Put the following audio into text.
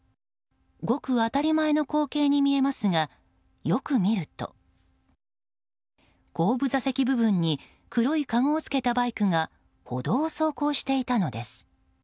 ごく当たり前の光景に見えますがよく見ると後部座席部分に黒いかごを付けたバイクが歩道を走行していたのです。